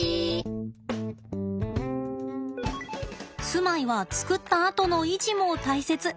住まいは作ったあとの維持も大切。